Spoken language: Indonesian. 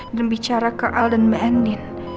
dan bicara ke aldan me'endin